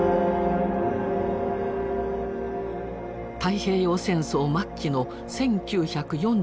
太平洋戦争末期の１９４５年。